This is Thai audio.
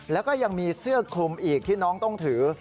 แล้วก็ยังมีเสื้อคลุมอีกที่น้องต้องถือ